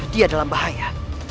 dia dalam bahaya